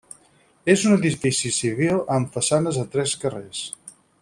És un edifici civil amb façanes a tres carrers.